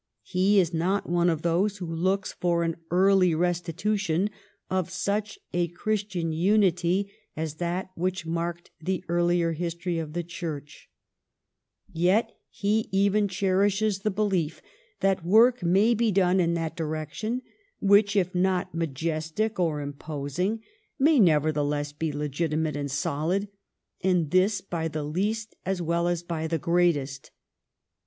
He is not one of those who look for an early restitu tion of such a Christian unity as that which marked the earlier history of the Church. Yet he even GLADSTONE'S BUSY LEISURE 411 cherishes the belief that work may be done in that direction, which, if not majestic or imposing, may nevertheless be legitimate and solid ; and this by the least as well as by the greatest.